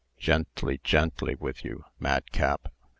Gently, gently with you, madcap!